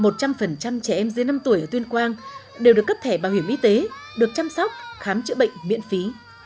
một trăm linh trẻ em dưới năm tuổi ở tuyên quang đều được cấp thẻ bảo hiểm y tế được chăm sóc khám chữa bệnh miễn phí